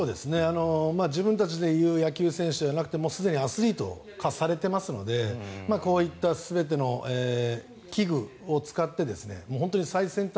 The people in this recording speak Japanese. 自分たちでやる野球選手じゃなくてすでにアスリート化されているのでこういった全ての器具を使って本当に最先端